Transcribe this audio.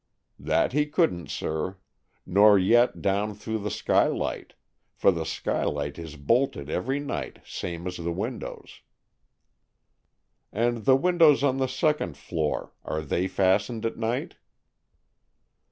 "That he couldn't, sir. Nor yet down through the skylight, for the skylight is bolted every night same as the windows." "And the windows on the second floor—are they fastened at night?"